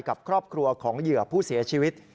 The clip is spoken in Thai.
กับครอบครัวของเหยื่อผู้เสียชีวิต